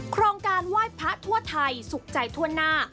โครงการไหว้พระทั่วไทยสุขใจทั่วหน้า